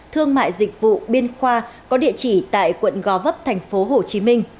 thương mại dịch vụ biên khoa có địa chỉ tại quận gò vấp tp hcm